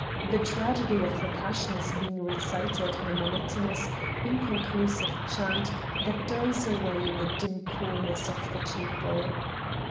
The tragedy of the passion is being recited in a monotonous, inconclusive chant that dies away in the dim corners of the chapel.